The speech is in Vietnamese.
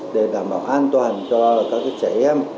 để đảm bảo an toàn cho các trẻ em